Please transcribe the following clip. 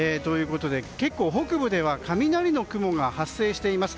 結構、北部では雷の雲が発生しています。